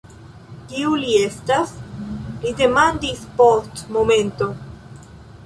Kiu li estas? li demandis post momento.